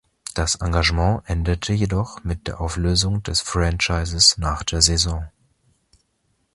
Das Engagement endete jedoch mit der Auflösung des Franchises nach der Saison.